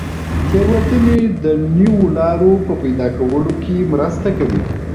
تېروتنې د نویو لارو په پیدا کولو کې مرسته کوي.